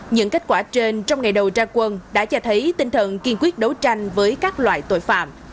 những kết quả trên trong ngày đầu ra quân đã cho thấy tinh thần kiên quyết đấu tranh với các loại tội phạm